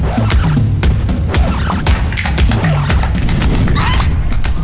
กินล้างวาง